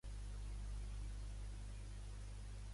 Pau Antoni de Bejar i Novella va ser un artista nascut a Barcelona.